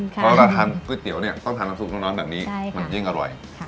เพราะต้องทำราชาฝื่อเกอร์เทียวต้องทำความร้อนอย่างนี้ยิ่งอร่อย